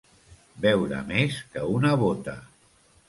Beure més que una bota.